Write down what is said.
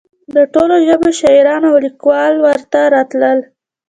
د ټولو ژبو شاعران او لیکوال ورته راتلل.